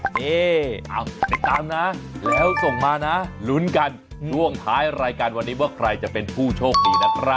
นี่เอาติดตามนะแล้วส่งมานะลุ้นกันช่วงท้ายรายการวันนี้ว่าใครจะเป็นผู้โชคดีนะครับ